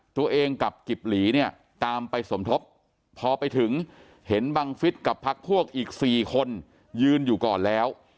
ตัวเองกับกิบหลีเนี่ยตามไปสมทบพอไปถึงเห็นบังฟิศกับพักพวกอีก๔คนยืนอยู่ก่อนแล้ว